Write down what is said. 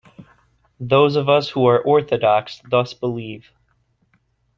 Those of us who are orthodox thus believe.